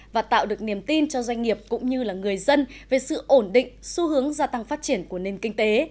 và tạo được niềm tin cho doanh nghiệp cũng như là người dân về sự ổn định xu hướng gia tăng phát triển của nền kinh tế